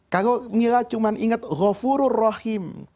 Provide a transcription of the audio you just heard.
kalau mila cuma ingat ghafurul rahim